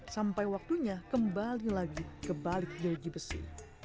sampai waktunya kembali lagi ke balik gejibesi